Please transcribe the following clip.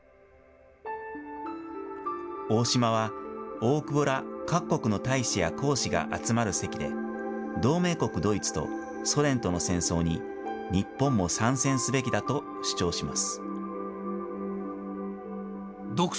大島は、大久保ら各国の大使や公使が集まる席で、同盟国ドイツとソ連との戦争に日本も参戦すべきだと主張します。